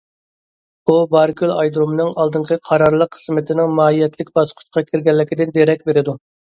بۇ، بارىكۆل ئايرودۇرۇمىنىڭ ئالدىنقى قارارلىق خىزمىتىنىڭ ماھىيەتلىك باسقۇچقا كىرگەنلىكىدىن دېرەك بېرىدۇ.